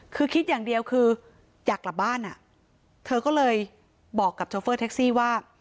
คือคิดอย่างเดียวคืออยากกลับบ้านอ่ะเธอก็เลยบอกกับโชเฟอร์แท็กซี่ว่า